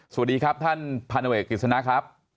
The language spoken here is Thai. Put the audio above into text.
สวัสดีครับท่านพันธุ์ตำรวจเอกกฤษณะครับ